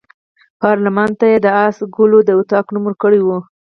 پارلمان ته یې د آس ګلو د اطاق نوم ورکړی وو.